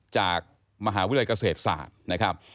จากมหาวิทยาลัยเกษตรศาสตร์นะครับ